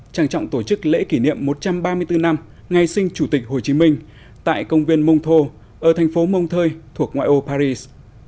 trang trọng tổ chức lễ kỷ niệm một trăm ba mươi bốn năm ngày sinh chủ tịch hồ chí minh tại công viên mông thô ở thành phố mông thơi thuộc ngoại ô paris